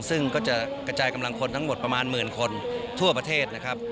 ซึ่งก็จะกระจายกำลังคนทั้งหมดประมาณหมื่นคนทั่วประเทศนะครับ